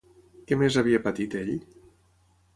Què més havia patit ell?